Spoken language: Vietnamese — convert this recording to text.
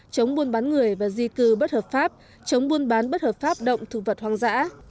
chống buôn bán người và di cư bất hợp pháp chống buôn bán bất hợp pháp động thực vật hoang dã